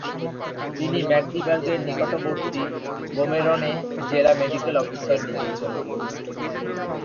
তিনি ম্যাগডিবার্গের নিকটবর্তী গোমেরন এ জেলা মেডিকেল অফিসার নিযুক্ত হন।